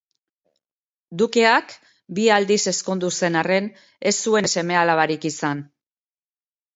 Dukeak, bi aldiz ezkondu zen arren, ez zuen seme-alabarik izan.